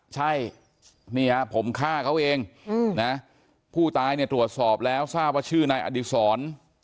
ใช่นี่ครับผมฆ่าเขาเองผู้ตายตรวจสอบแล้วทราบว่าชื่อนายอดิสร